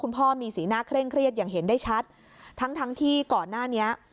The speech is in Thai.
พ่อมีสีหน้าเคร่งเครียดอย่างเห็นได้ชัดทั้งทั้งที่ก่อนหน้านี้